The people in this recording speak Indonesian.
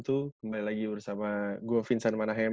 kembali lagi bersama gue vincent manahem